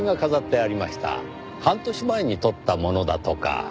半年前に撮ったものだとか。